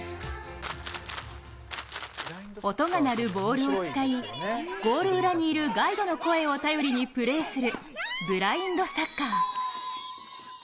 音が鳴るボールを使いゴール裏にいるガイドの声を頼りにプレーするブラインドサッカー。